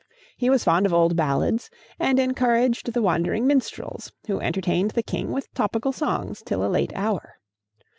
He was fond of old ballads, and encouraged the wandering minstrels, who entertained the king with topical songs till a late hour.